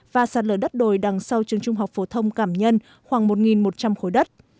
và sạt lở đất đồi đằng sau trường trung học phổ thông cảm nhân khoảng một một trăm linh khối đất